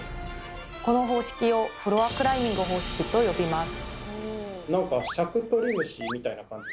この方式を「フロアクライミング方式」と呼びます。